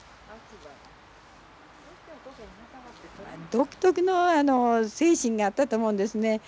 独特の精神があったと思うんですね。